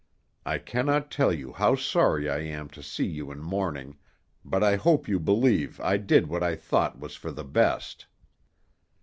I cannot tell you how sorry I am to see you in mourning, but I hope you believe I did what I thought was for the best."